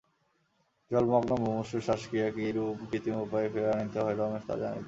জলমগ্ন মুমূর্ষুর শ্বাসক্রিয়া কিরূপ কৃত্রিম উপায়ে ফিরাইয়া আনিতে হয়, রমেশ তাহা জানিত।